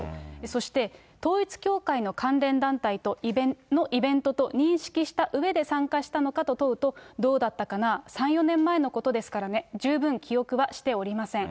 そして、統一教会の関連団体のイベントと認識したうえで参加したのかと問うと、どうだったかな、３、４年前のことですからね、十分記憶はしておりません。